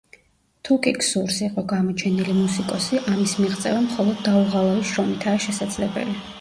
თუკი გსურს იყო გამოჩენილი მუსიკოსი ამის მიღწევა მხოლოდ დაუღალავი შრომითაა შესაძლებელი.